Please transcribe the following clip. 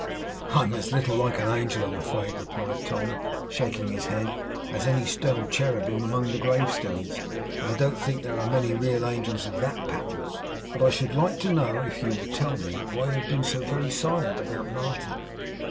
'I am as little like an angel, I am afraid,' replied Tom, shaking his head, 'as any stone cherubim among the grave stones; and I don't think there are many real angels of THAT pattern. But I should like to know (if you will tell me) why you have been so very silent about Martin.